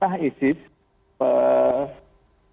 karena memang mereka juga sudah berbaik